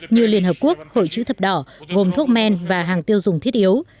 như liên hợp quốc hội chữ thập đỏ gồm thuốc men và hàng tiêu dùng thiết yếu